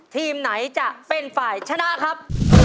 ทีมไหนจะเป็นฝ่ายชนะครับ